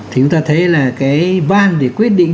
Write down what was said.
thì chúng ta thấy là cái van để quyết định